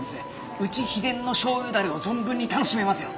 うち秘伝の醤油ダレを存分に楽しめますよ。